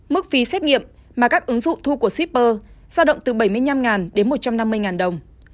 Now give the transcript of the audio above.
mức phí xét nghiệm mà các ứng dụng thu của shipper giao động từ bảy mươi năm đến một trăm năm mươi đồng